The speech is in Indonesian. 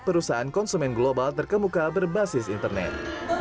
perusahaan konsumen global terkemuka berbasis internet